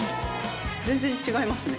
全然違いますね。